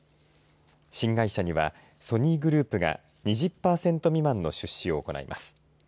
新会社にはソニーグループが２０パーセント未満の出資を行います。